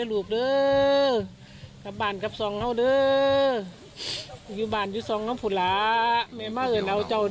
คือบ้านของทั้งคู่เนี่ยนะคะ